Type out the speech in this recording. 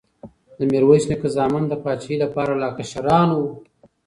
د میرویس نیکه زامن د پاچاهۍ لپاره لا کشران وو.